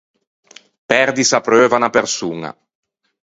Perdise apreuvo à unna persoña.